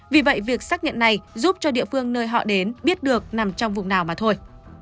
vì vậy việc xác nhận này giúp cho địa phương nơi họ đến biết được nằm trong vùng nào mà thôi